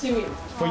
はい。